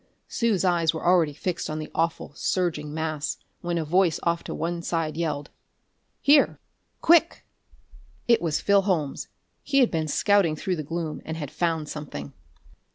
Sue's eyes were already fixed on the awful, surging mass when a voice off to one side yelled: "Here! Quick!" It was Phil Holmes. He had been scouting through the gloom, and had found something.